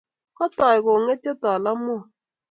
Kitoy kongetyo talamwok